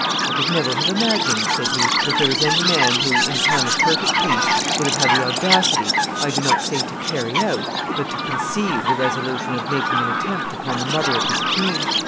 "I could never have imagined," said be, "that there was any man who, in time of perfect peace, would have had the audacity, I do not say to carry out, but to conceive the resolution of making an attempt upon the mother of his king